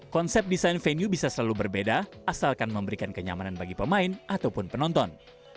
konsep desain venue bisa selalu berbeda asalkan memberikan kenyamanan bagi pemain ataupun penonton